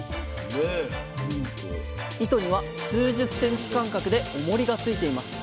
糸には数十センチ間隔でおもりがついています。